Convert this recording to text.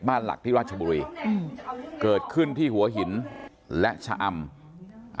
หลักที่ราชบุรีอืมเกิดขึ้นที่หัวหินและชะอำ